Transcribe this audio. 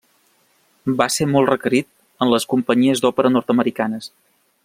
Va ser molt requerit en les companyies d'òpera nord-americanes.